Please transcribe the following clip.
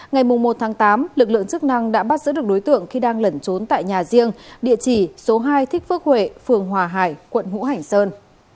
ngày một tám lực lượng chức năng đã bắt giữ được đối tượng khi đang lẩn trốn tại nhà riêng địa chỉ số hai thích phước huệ phường hòa hải quận hữu hành sơn